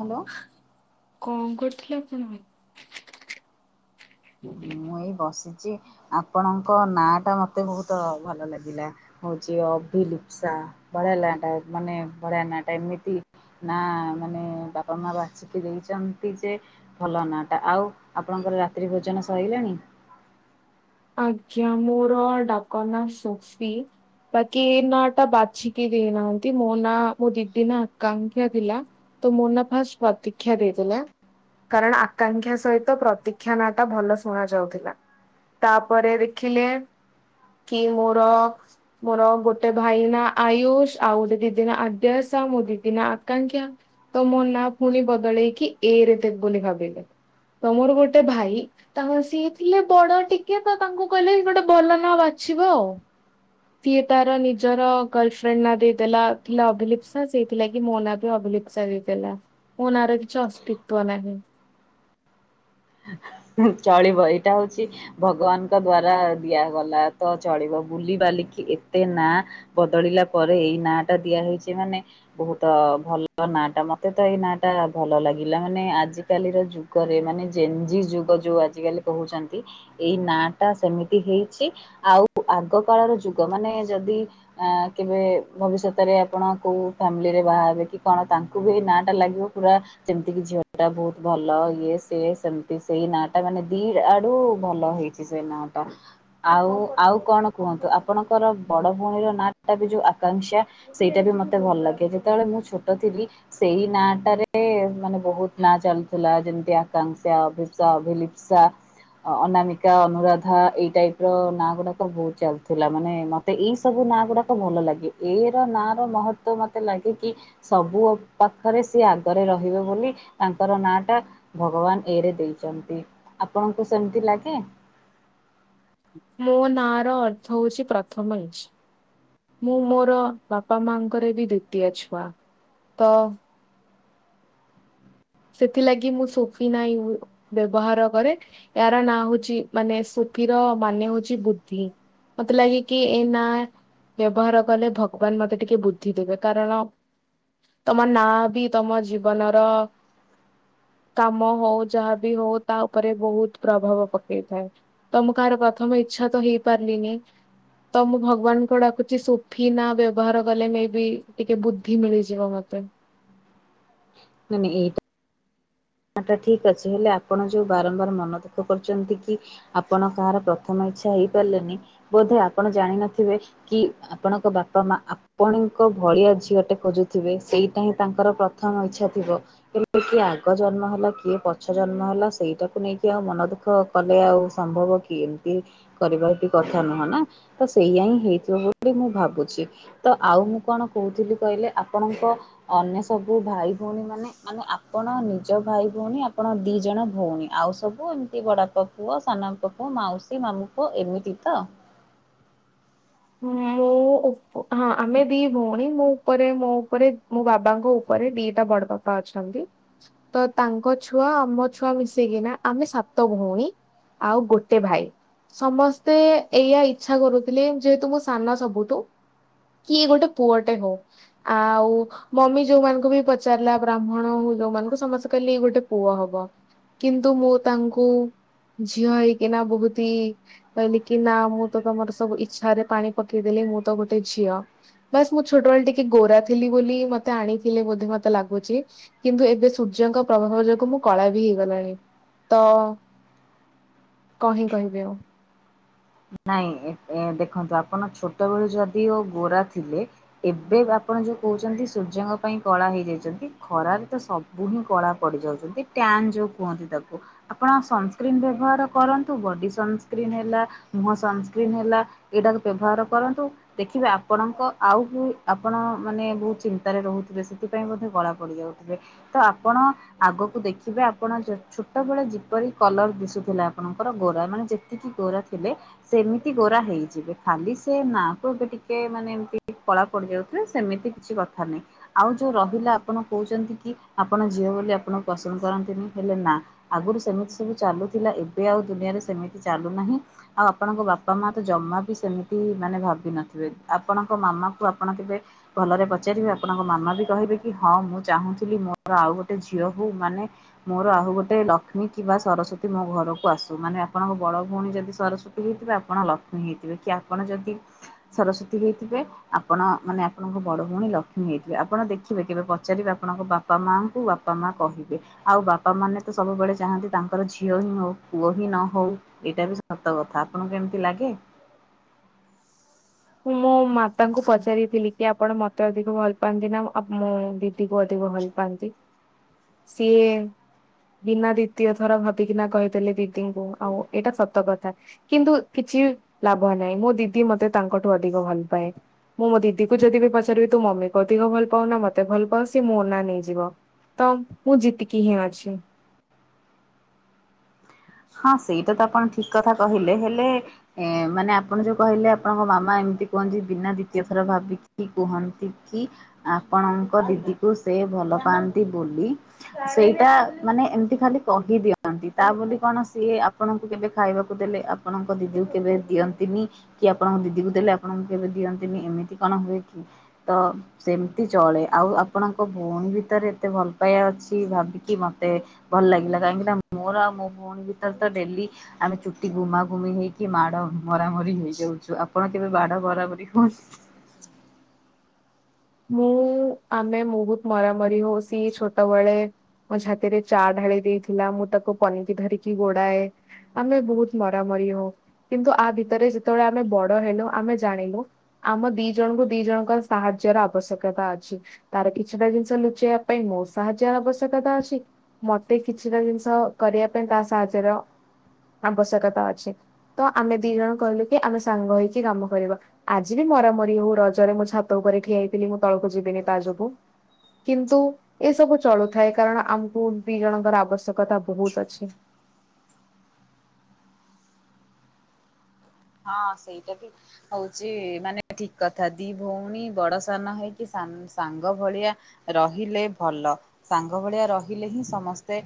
Hello କଣ କରୁଥିଲେ ଆପଣ? ମୁଁ ଏଇ ବସିଛି ଆପଣଙ୍କ ନା ଟା ମତେ ବହୁତ ଭଲ ଲାଗିଲା। ହଉଛି ଅଭିଲିପସା ବଢଆ ଟା ମାନେ ବଢି ନା ଟା ଏମିତି। ନା ମାନେ ବାପା ମା ବାଛିିକି ଦେଇଛନ୍ତି ଯେ ଭଲ ନା ଟା ଆଉ ଆପଣଙ୍କର ରାତ୍ରି ଭୋଜନ ସରିଲାଣି। ଆଜ୍ଞା ମୋର ଡାକ ନା ସୁଶ୍ରୁ। ବାକି ଏ ନା ଟା ବାଛିକି ଦେଇନାହାନ୍ତି ମୋ ନା ମୋ ଦିଦ ନା ଆକାଂକ୍ଷା ଥିଲା। ତ ମୁନା ଫାଷ୍ଟ ପ୍ରତିୀକ୍ଷା ଦେଇଥିଲା। କାରଣ ଆକାଂକ୍ଷା ସହିତ ପ୍ରତୀକ୍ଷା ନାଟା ଭଲ ଶୁଣ ଯାଉଥିଲା। ତାପରେ ଦେଖିଲେ କି ମୋର ମୋର ଗୋଟେ ଭାଇ ନା ଆୟୁଷ ଆଉ ଗୋଟେ ଦିଦି ନା ଆଦ୍ୟାସା ମୋ ଦିଦି ନା ଆକାଂକ୍ଷା। ତ ମୋ ନାଁ ପୁଣି ବଦଳେଇକି ଏରେ ବୋଲି ଭାବିଲେ। ତ ମୋର ଗୋଟେ ଭାଇ ତାଙ୍କର ସିଏ ଥିଲେ ବଣ ଟିକେ କିଏ ତ ତାଙ୍କୁ କହିଲେ କି ଗୋଟେ ଭଲ ନା ବାଛିବ ଆଉ। ସିଏ ତାର ନିଜର ଗର୍ଲଫ୍ରେଣ୍ଡ ନାଁ ଦେଇଦେଲା ଥିଲା ଅଭିଲିପ ସାା ସେଇଥିଲା କି ମୋ ନାଁ ବି ଅଭିଲିପ୍ସ। ସଗତଲା ଓ ଆରଗୀଛି ଅସ୍ତିିତବ ନାହିଁ। ଚଳିବ ଏଇଟା ହଉଛି। ଭଗବାନଙ୍କ ଦ୍ଵାରା ଦିଆଗଲା ତ ଚଳିବ ବୁଲି ବାଲିକି ଏତେ ନା ବଦଳିଲା ପରେ ଏଇ ନାଁ ଟା ଦିଆହଇଛି ମାନେ ବହୁତ ଭଲ ନା ଟା ମତେ ତ ଏଇ ନାଁ ଟା ଭଲ ଲାଗିଲା ମାନେ ଆଜିକାଲିର ଯୁ ଯୁଗରେ ମାନେ ଜେନ୍ଜିି ଯୁଗ ଯୋଉ ଆଜିକାଲି କହୁଛନ୍ତି ଏଇ ନାଁ ଟା ସେମିତି ହେଇଛି। ଆଉ ଆଗ କାଳର ଯୁଗ ମାନେ ଯଦି ଆ କେବେ ଭବିଷ୍ୟତରେ ଆପଣ କୋଉ ଫ୍ୟାମିଲିରେ ବାହା ହେବେ କି କଣ ତା ଙ୍କୁ ବି ନାଁ ଟା ଲାଗିବ ପୁରା ଯେମିତି କି ଝିଅ ଟା ବହୁତ ଭଲ ଇଏ ସିଏ ସେମିତି ସେଇ ନାଁ ଟା ମାନେ ଦି ଆଡୁ ଭଲ ହେଇଛି ସେଇ ନା ଟା। ଆଉ ଆଉ କଣ କୁହନ୍ତୁ ଆପଣଙ୍କର ବଡ ଭଉଣୀର ନାଁ ଟା ବି ଯୋଉ ଆକାଂକ୍ଷା ସେଇଟା ବି ମତେ ଭଲ ଲାଗେ ଯେତେବେଳେ ମୁଁ ଛୋଟ ଥିଲି ସେଇ ନାଁ ଟାରେ ମାନେ ବହୁତ ନା ଚାଲୁଥିଲା ଯେମିତି ଆକାଂକ୍ଷା [unintelligible] ଭିଲିପ୍ସା ଅନାମିକା ଅନୁରାଧା ଏଇ ଟାଇପ ର ନାଁ ଗୁଡାକ ବହୁତ ଚାଲୁଥିଲା ମାନେ ମ ତ ଏଇ ସବୁ ନାଁ ଗୁଡାକ ଭଲ ଲାଗେ ଏ ର ନାଁ ର ମହତଵ ମତେ ଲାଗେ କି ସବୁ ପାଖରେ ସିଏ ଆଗରେ ରହିବେ ବୋଲି ତାଙ୍କର ନାଁ ଟା ଭଗବାନ ଏରେ ଦେଇଛନ୍ତି ଆପଣଙ୍କୁ ସେମିତି ଲାଗେ। ମୋ ନାଁ ର ଅର୍ଥ ହଉଛି ପ୍ରଥମ ଇଞ୍ଚ ମୁଁ ମୋର ବାପା ମାଙ୍କର ବି ଦ୍ଵିତୀୟ ଛୁଆ ତ ସେଥିଲାଗି ମୁଁ ସୋଫି ନାହିଁ ବ୍ୟବହାର କରେ। ଏହାର ନାଁ ହଉଛି ମାନେ ସୁଖୀର ମାନେ ହଉଛି ବୁଦ୍ଧି। ମତେ ଲାଗେ କି ଏ ନାଁ ବ୍ୟବହାର କଲେ ଭଗବାନ ମତେ ଟିକେ ବୁଦ୍ଧି ଦେବେ କାରଣ ତମ ନାଁ ବି ତମ ଜୀବନର କାମ ହଉ ଯାହାବି ହଉ ତା ଉପରେ ବହୁତ ପ୍ରଭାବ ପକେଇଥାଏ। ତମ କାହାର ପ୍ରଥମ ଇଚ୍ଛା ତ ହେଇ ପାରିଲିନି। ତ ମୁଁ ଭଗବାନଙ୍କୁ ଡାକୁଛି ସୋଫି ନା ବ୍ୟବହାର କଲେ ମେବି ଟିକେ ବୁଦ୍ଧି ମିଳିଯିବ ମତେ ମାନେ ଏଇଟ ହଟା ଠିକ୍ ଅଛି ହେଲେ ଆପଣ ଯୋଉ ବାରମ୍ବାର ମନ ଦୁଖ କରୁଛନ୍ତି କି ଆପଣ କାହାର ପ୍ରଥମ ଇଚ୍ଛା ହେଇପାରିଲେନି ବୋଧେ ଆପଣ ଜାଣିନଥିବେ। କି ଆପଣଙ୍କ ବାପା ମା ଆପଣଙ୍କ ଭଳିଆ ଝିଅଟେ ଖୋଜୁଥିବେ ସେଇଟା ହିଁ ତାଙ୍କର ପ୍ରଥମ ଇଛା ଥିବ। ହେ କିଏ ଆଗ ଜନ୍ମ ହେଲା କିଏ ପଛ ଜନ୍ମ ହେଲା ସେଇଟାକୁ ନେଇକି ଆଉ ମନ ଦୁଃଖ କଲେ ଆଉ ସମ୍ଭବ କି ଏମତି କରିବାର ବି କଥା ନୁହଁ ନା ତ ସେଇୟଆ ହିଁ ହେଇଥିବ ବୋଲି ମୁଁ ଭାବୁଛି। ତ ଆଉ ମୁଁ କଣ କହୁଥିଲି କହିଲେ ଆପଣଙ୍କ ଅନ୍ୟ ସବୁ ଭାଇ ଭଉଣୀ ମାନେ ମାନେ ଆପଣ ନିଜ ଭାଇ ଭଉଣୀ ଆପଣ ଦିଜଣ ଭଉଣୀ ଆଉ ସବୁ ଏମିତି ବଡ଼ାପା ପୁଅ ସାନପା ପୁଅ ମାଉସୀ ମାମୁ ପୁଅ ଏମିତି ତ ହଁ ମୁଁ [unintelligible] ହଁ ଆମେ ଦି ଭଉଣୀ ମୋ ଉପରେ ମୋ ଉପରେ ମୋ ବାବାଙ୍କ ଉପରେ ଦିଟା ବଡ ବା ବାପା ଅଛନ୍ତି ତ ତାଙ୍କ ଛୁଆ ଆମ ଛୁଆ ମିଶେଇକିନା ଆମେ ସାତ ଭଉଣୀ। ଆଉ ଗୋଟେ ଭାଇ ସମସ୍ତେ ଏଇଆ ଇଚ୍ଛା କରୁଥିଲେ। ଯେହେତୁ ମୁଁ ସାନ ସବୁଠୁ କିଏ ଗୋଟେ ପୁଅଟେ ହଉ ଆଉ। ମମି ଯୋଉମାନଙ୍କୁ ବି ପଚାରିଲା ବ୍ରାହ୍ମଣ ହଉ ଯୋଉମାନଙ୍କୁ ସମସ୍ତେ କହିଲେ ଏଇ ଗୋଟେ ପୁଅ ହବ। କିନ୍ତୁ ମୁଁ ତାଙ୍କୁ ଝିଅ ହେଇକି ନା ବହୁତ ହି କହିଲେ କି ନା ମୁଁ ତ ତମର ସବୁ ଇ ଛାରେ ପାଣି ପକେଇଦେଲି ମୁଁ ତ ଗୋଟେ ଝିଅ। ବାସ୍ ମୁଁ ଛୋଟବେଳେ ଟିକେ ଗୋରା ଥିଲି ବୋଲି ମତେ ଆଣିଥିଲେ ବୋଧେ ମତେ ଲାଗୁଛି। କିନ୍ତୁ ଏବେ ସୂର୍ଯ୍ୟଙ୍କ ପ୍ରଭାବ ଯୋଗୁ ମୁଁ କଳା ବି ହେଇଗଲାଣି ତ [unintelligible] କହିବି ଆଉ ନାଇଁ ଦେଖନ୍ତୁ ଆପଣ ଛୋଟବେଳୁ ଯଦି ଓ ଗୋରା ଥିଲେ ଏବେ ଆପଣ ଯୋଉ କହୁଛନ୍ତି ସୂର୍ଯ୍ୟଙ୍କ ପାଇଁ କଳା ହେଇଯାଇଛନ୍ତି ଖରାରେ ତ ସ ବୁହି କଳା ପଡ଼ିଯାଉଛନ୍ତି ଟ୍ୟାନ୍ ଯଉ କୁହନ୍ତି ତାକୁ। ଆପଣ ସନ୍ସ୍କ୍ରିନ୍ ବ୍ୟବହାର କରନ୍ତୁ ବଡି ସନ୍ସ୍କ୍ରିନ୍ ହେଲା ମୁହଁ ସନସ୍କ୍ରିନ୍ ହେଲା ଏଇଟାକୁ ବ୍ୟବହାର କରନ୍ତୁ। ଦେଖିବେ ଆପଣଙ୍କ ଆଉ ବି ଆପଣ ମାନେ ବହୁତ ଚିନ୍ତାରେ ରହୁଥିବେ ସେଥି ପାଇଁ ମଧ୍ୟ କଳା ପଡି ଯାଉଥିବେ ତ ଆପଣ ଆଗକୁ ଦେଖିବେ ଆପଣ ଛୋଟ ବେଳେ ଯେପରି କଲର ଦିଶୁଥିଲା ଆପଣଙ୍କର ଗୋରା ମାନେ ଯେତିକି ଗୋରା ସେମିତି ଗୋରା ହେଇଯିବେ ଖାଲି ସେ ନାକୁ ଏବେ ଟିକେ ମାନେ ଏମିତି କଳା ପଡ଼ିଯାଉଥିଲେ ସେମିତି କିଛି କଥା ନାହିଁ। ଆଉ ଯୋଉ ରହିଲା ଆପଣ କହୁଛନ୍ତି କି ଆପଣ ଝିଅ ବୋଲି ଆପଣ ପସନ୍ଦ କରନ୍ତିନି ହେଲେ ନା ଆଗରୁ ସେମିତି ସବୁ ଚାଲୁଥିଲା ଏବେ ଆଉ ଦୁନିଆରେ ସେମିତି ଚାଲୁନାହିଁ ଆଉ ଆପଣଙ୍କ ବାପା ମା ତ ଜମା ବି ସେମିତି ମାନେ ଭାବିିନଥିବେ ଆପଣଙ୍କ ମାମା ଙ୍କୁ ଆପଣ କେବେ ଭଲରେ ପଚାରିବେ ଆପଣଙ୍କ ମାମା ବି କହିବେ କି ହଁ ମୁଁ ଚାହୁଁଥିଲି ମୋର ଆଉ ଗୋଟେ ଝିଅ ହଉ ମାନେ ମୋର ଆଉ ଗୋଟେ ଲକ୍ଷ୍ମୀ କିମ୍ବା ସରସ୍ୱତୀ ମୋ ଘରକୁ ଆସୁ ମାନେ ଆପଣଙ୍କ ବଡ ଭଉଣୀ ଯେମତି ସରସ୍ବତୀ ସରସ୍ଵତୀ ହେଇଥିବେ ଆପଣ ଲକ୍ଷ୍ମୀ ହେଇଥିବେ କି ଆପଣ ଯଦି ସରସ୍ଵତୀ ହେଇଥିବେ ଆପଣ ମାନେ ଆପଣଙ୍କ ବଡ ଭଉଣୀ ଲକ୍ଷ୍ମୀ ହେଇଥିବେ ଆପଣ ଦେଖିବେ କେବେ ପଚାରିବେ ଆପଣଙ୍କ ବାପା ବାପା ମାଆ ଙ୍କୁ ବାପା ମା କହିବେ। ଆଉ ବାପା ମାନେ ତ ସବୁବେଳେ ଚାହାନ୍ତି ତାଙ୍କର ଝିଅ ହିଁ ହଉ ପୁଅ ହିଁ ନ ହଉ ଏଇଟା ବି ସତ କଥା ଆପଣଙ୍କୁ କେମିତି ଲାଗେ? ଁ ମୋ ମାତାଙ୍କୁ ପଚାରିଥିଲି କି ଆପଣ ମତେ ଅଧିକ ଭଲ ପାଆନ୍ତି ନା ମୁଁ ଦିଦି କୁ ଅଧିକ ଭଲ ପାନ୍ତି। [inaudible] ସିଏ ବିନା ଦ୍ଵିତୀୟ ଥର ଭାବିକିନା କହିଥିଲେ ଦ ଆଉ ଏଇଟା ସତ କଥା କିନ୍ତୁ କିଛି ଲାଭ ନାହିଁ ମୋ ଦିଦି ମତେ ତାଙ୍କ ଠୁ ଅଧିକ ଭଲ ପାଏ। ମୁଁ ମୋ ଦିଦି କୁ ଯଦି ବି ପଚାରିବି ତୁ ମମି କ ଅଧିକ ଭଲ ପାଉ ନା ମତେ ଭଲ ପାଉ ସି ମୋ ନାଁ ନେଇଯିବ। ତ ମୁଁ ଜିତିକି ହିଁ ଅଛି। ହଁ ସେଇଟା ତ ଆପଣ ଠିକ କଥା କହିଲେ। ହେଲେ ଏ ମାନେ ଆପଣ ଯୋଉ କହିଲେ ଆପଣଙ୍କ ମାମା ଏମିତି କୁହନ୍ତି ବିନା ଦ୍ଵିତୀୟ ଥର ଭାବିକି କୁହନ୍ତି କି ଆପଣଙ୍କ ଦିଦିକୁ ସେ ଭଲ ପାଆନ୍ତି ବୋଲି ସେଇଟା ମାନେ ଏମିତି ଖାଲି କହିଦିଅନ୍ତି ତା ବୋଲି କଣ ସିଏ ଆପଣଙ୍କୁ କେବେ ଖାଇବାକୁ ଦେଲେ ଆପଣଙ୍କ ଦିଦିକୁ କେବେ ଦିଅନ୍ତିନି କି ଆପଣଙ୍କ ଦିଦି କ ଦେଲେ ଆପଣଙ୍କୁ କେବେ ଦିଅନ୍ତିନି ଏମିତି କଣ ହୁଏ କି ତ ସେମିତି ଚଳେ ଆଉ ଆପଣଙ୍କ ଭଉଣୀ ଭିତରେ ଏତେ ଭଲ ପାଇବା ଅଛି ଭାବିକି ମତେ ଭଲ ଲାଗିଲା କାହିଁକି ନା ମୋର ଆଉ ମୋ ଭଉଣୀ ଭିତରେ ତ ଡେଲି ଆମେ ଚୁଟି ଗୁମାଘୁମି ହେଇକି ମାଡ ମରାମରି ହେଇଯାଉଛୁ ଆପଣ କେବେ ମାଡ ମରାମରି ହୁଅନ୍ତୁି। ମୁଁ ଆମେ ବହୁତ ମରାମରି ହଉ ସ ଛୋଟବେଳେ ମୋ ଛାତି ରେ ଚା ଢାଳି ଦେଇଥିଲା ମୁଁ ତାକୁ ପନିିକି ଧରିକି ଗୋଡାଏ ଆମେ ବହୁତ ମରାମରି ହଉ କିନ୍ତୁ ଆ ଭିତରେ ଯେତେବେଳେ ଆମେ ବଡ ହେଲୁ ଆମେ ଜାଣିଲୁ ଆମ ଦି ଜଣଙ୍କୁ ଦି ଜଣଙ୍କ ସାହାଯ୍ୟର ଆବଶ୍ୟକତା ଅଛି ତାର କିଛିଟା ଜିନିଷ ଲୁଚେଇବା ପାଇଁ ମୋ ସାାହାଯ୍ୟ ଆବଶ୍ୟକତା ଅଛି ମତେ କିଛିଟା ଜିନିଷ କରିବା ପାଇଁ ତା ସାହାଯ୍ୟର ଆବଶ୍ୟକତା ଅଛି। ତ ଆମେ ଦି ଜଣ କହିଲୁ କି ଆମେ ସାଙ୍ଗ ହେଇକି କାମ କରିବା। ଆଜି ବି ମରାମରି ହଉ ରଜରେ ମୁଁ ଛାତ ଉପରେ ଠିଆ ହେଇଥିଲି ମୁଁ ତଳକୁ ଯିବିନି ତା ଯୋଗୁଁ କିନ୍ତୁ ଏ ସବୁ ଚଳୁଥାଏ କାରଣ ଆମକୁ ଦି ଜଣଙ୍କର ଆବଶ୍ୟକତା ବହୁତ ଅଛି। ହଁ ସେଇଟା ବି ହଉଛି ମାନେ ଠିକ କଥା ଦି ଭଉଣୀ ବଡ ସାନ ହେଇକି ସାନ ସାଙ୍ଗ ଭଳିଆ ରହିଲେ ଭଲ। ସାଙ୍ଗ ଭଳିଆ ରହିଲେ ହିଁ ସମସ୍ତେ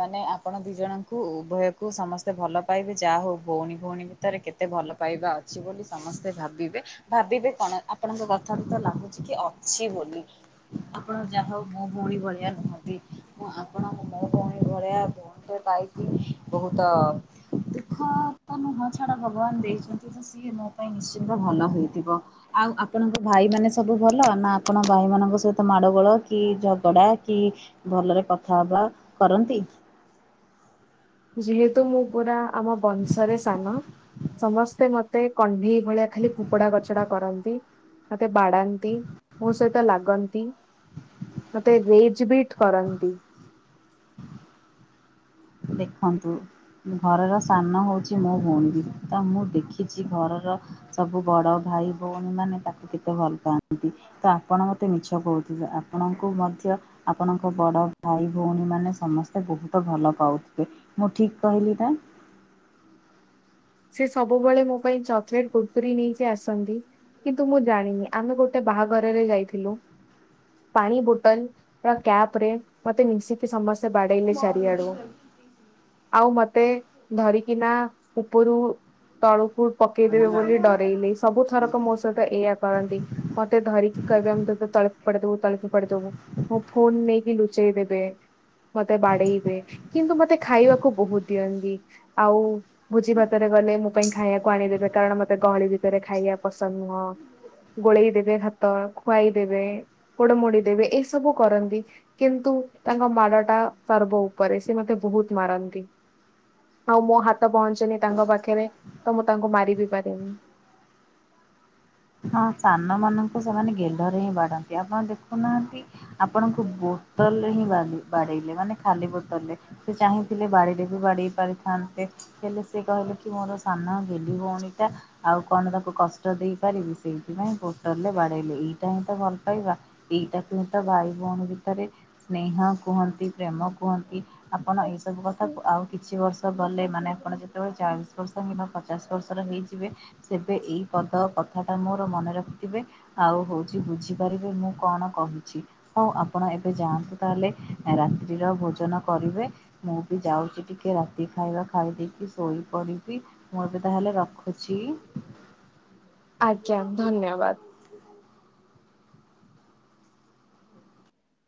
ମାନେ ଆପଣ ଦି ଜଣଙ୍କୁ ଉଭୟକୁ ସମସ୍ତେ ଭଲ ପାଇବେ ଯାହା ହଉ ଭଉଣୀ ଭଉଣୀ ଭିତରେ କେତେ ଏତେ ଭଲ ପାଇବା ଅଛି ବୋଲି ସମସ୍ତେ ଭାବିବେ ଭାବିବେ କଣ ଆପଣଙ୍କ କଥାରୁ ତ ଲାଗୁଛି କି ଅଛି ବୋଲି। ଆପଣ ଯାହା ହଉ ମୋ ଭଉଣୀ ଭଳିିଆ ନୁହନ୍ତି ମୁଁ ଆପଣ ମୋ ଭଉଣୀ ଭଳିିଆ ପାଇକି ବହୁତ ଦୁଃଖ ତ ନୁହଁ ଛାଡା ଭଗବାନ ଦେଇଛନ୍ତି ସିଏ ମୋ ପାଇଁ ନିଶ୍ଚିନ୍ତ ଭଲ ହୋଇଥିବ। ଆଉ ଆପଣଙ୍କ ଭାଇମାନେ ସବୁ ଭଲ ନା ଆପଣଙ୍କ ଭାଇମାନଙ୍କ ସହିତ ମାଡ଼ଗୋଳ କି ଝଗଡ଼ା କି ଭଲରେ କଥା ହବା କରନ୍ତି। ଯେହେତୁ ମୁଁ ପୁରା ଆମ ବଂଶରେ ସାନ ସମସ୍ତେ ମତେ କଣ୍ଢେଇ ଭଳିଆ ଖାଲି ଫୋପଡା କଚଡା କରନ୍ତି। ମତେ ବାଡାନ୍ତି। ମୋ ସହିତ ଲାଗନ୍ତି। ମତେ ରେଜ୍ ବିଟ କରନ୍ତି। ଦେଖନ୍ତୁ। ଘରର ସାନ ହେଉଛି ମୋ ଭଉଣୀ ତ ମୁଁ ଦେଖିଛି ଘରର ସବୁ ବଡ ଭାଇ ଭଉଣୀ ମାନେ ତାକୁ କେତେ ଭଲ ପାଆନ୍ତି। ତ ଆପଣ ମୋତେ ମିଛ କହୁଥିଲେ ଆପଣଙ୍କୁ ମଧ୍ୟ ଆପଣଙ୍କ ବଡ଼ ଭାଇ ଭଉଣୀମାନେ ସମସ୍ତେ ବହୁତ ଭଲ ପାଉ ମୁଁ ଠିକ୍ କହିଲି ନା? ସେ ସବୁବେଳେ ମୋ ପାଇଁ ଚକଲେଟ୍ କୁର୍-କୁରି ନେଇକି ଆସନ୍ତି। କିନ୍ତୁ ମୁଁ ଜାଣିନି ଆମେ ଗୋଟେ ବାହାଘରରେ ଯାଇଥିଲୁ। ପାଣି ବୋଟଲ ବା କ୍ୟାପ ରେ ମତେ ମିଶି ସମସ୍ତେ ବାଡେଇଲେ ଚାରିଆଡୁ ଆଉ ମତେ ଧରିକିନା। ଉପରୁ ତଳକୁ ପକେଇଦେବେ ବୋଲି ଡରେଇଲେ ସବୁଥରକ ମୋ ସହିତ। ତ ଏଇୟାଆ କରନ୍ତି ମତେ ଧରିକି କହିବେ ଆମେ ତତେ ତଳେ ଫୋପାଡିଦବୁ ତଳେ ଫୋପାଡିଦବୁ। ମୋ ଫୋନ୍ ନେଇକି ଲୁଚେଇ ଦେବେ। ମତେ ବାଡେଇବେ କିନ୍ତୁ ମତେ ଖାଇବାକୁ ବହୁତ ଦିଅନ୍ତି ଆଉ ଭୋଜି ଭାତରେ ଗଲେ ମୋ ପାଇଁ ଖାଇବାକୁ ଆଣିଦେବେ କାରଣ ମତେ ଗହଳି ଭିତରେ ଖାଇବା ପସନ୍ଦ ନୁହଁ। ଗୋଳେଇ ଦେବେ ଭାତ ଖୁଆଇ ଦେବେ ଗୋଡମୋଡି ଦେବେ ଏଇ ସବୁ କରନ୍ତି। କିନ୍ତୁ ତାଙ୍କ ମାଡ ଟା ସର୍ବ ଉପରେ ସେ ମତେ ବହୁତ ମାରନ୍ତି। ଆଉ ମୋ ହାତ ପହଞ୍ଚେନି ତାଙ୍କ ପାଖରେ ତ ମୁଁ ତାଙ୍କୁ ମାରି ବିି ପାରିନି। ହଁ ସାନ-ମାନଙ୍କୁ ସେମାନେ ଗେହ୍ଲାରେ ହିଁ ବାଡାନ୍ତି ଆପଣ ଦେଖୁନାହାନ୍ତି। ଆପଣଙ୍କୁ ବୋତଲରେ ହିଁ ବା ବାଡେଇଲେ ମାନେ ଖାଲି ବୋତଲରେ। ସେ ଚାହିଁଥିଲେ ବାଡିରେ ବି ବାଡେଇ ପାରିଥାନ୍ତେ। ହେଲେ ସେ କହିଲେ କି ମୋର ସାନ ଗେଲ୍ହୀ ଭଉଣୀ ଟା ଆଉ କଣ ତାକୁ କଷ୍ଟ ଦେଇ ପାରିବି। ସେଇଥିପାଇଁ ବୋତଲ ରେ ବାଡେଇଲେ ଏଇଟା ହିଁ ତ ଭଲ ପାଇବା। ଏଇଟାକୁ ତ ଭାଇ ଭଉଣୀ ଭିତରେ ସ୍ନେହ କୁହନ୍ତି ପ୍ରେମ କୁହନ୍ତି ଆପଣ ଏଇ ସବୁ କଥାକୁ ଆଉ କିଛି ବର୍ଷ ଗଲେ ମାନେ ଆପଣ ଯେତେବେଳେ ଚାଳିଶ ବର୍ଷ କିମ୍ବା ପଚାଶ ବର୍ଷର ହେଇଯିବେ। ସେବେ ଏଇ ପଦ କଥାଟା ମୋର ମନେ ରଖିଥିବେ। ଆଉ ହଉଛି ବୁଝିପାରିବେ ମୁଁ କଣ କହୁଛି। ହଉ ଆପଣ ଏବେ ଯାଆନ୍ତୁ ତାହେଲେ ରାତ୍ରିର ଭୋଜନ କରିବେ। ମୁଁ ବି ଯାଉଛି ଟିକେ ରାତି ଖାଇବା ଖାଇ ଦେଇେକି ଶୋଇପଡ଼ିକି। ମୁଁ ଏବେ ତାହେଲେ ରଖୁଛି। ଆଜ୍ଞା ଧନ୍ୟବାଦ।